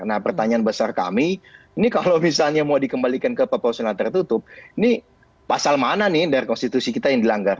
nah pertanyaan besar kami ini kalau misalnya mau dikembalikan ke proporsional tertutup ini pasal mana nih dari konstitusi kita yang dilanggar